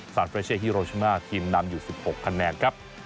ฟราชเช่ฮีโรชามาทีมนำอยู่สิบหกแนนครับ